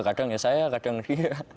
kadang ya saya kadang dia